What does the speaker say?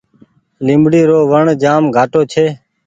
ليبڙي رو وڻ جآم گھآٽو ڇي۔